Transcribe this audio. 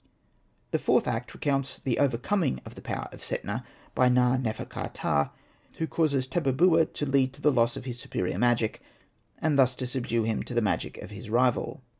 The fourth act recounts the overcoming of the power of Setna by Na.nefer.ka.ptah, who causes Tabubua to lead to the loss of his superior magic, and thus to subdue him to the magic of his rival.